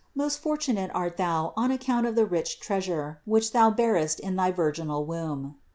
Most fortunate art Thou on account of the rich Treasure, which Thou bearest in thy virginal womb.